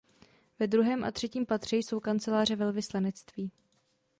Ve druhém a třetím patře jsou kanceláře velvyslanectví.